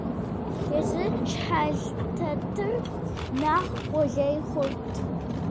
Езы щхьэлтетыр нэхъ къулей хъурт.